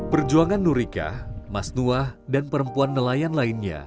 perjuangan nur rika mas nuwa dan perempuan nelayan lainnya